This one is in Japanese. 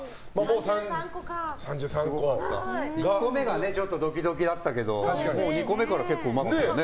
１個目がドキドキだったけど２個目から結構うまかったね。